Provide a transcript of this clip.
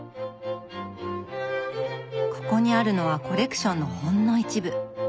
ここにあるのはコレクションのほんの一部。